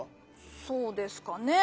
そうですかねぇ？